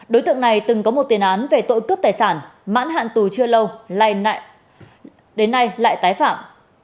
đối tượng này từng có một tiền án về tội cướp tài sản mãn hạn tù chưa lâu lai đến nay lại tái phạm